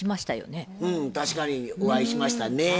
うん確かにお会いしましたね。